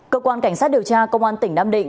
cơ quan cảnh sát điều tra công an tỉnh nam định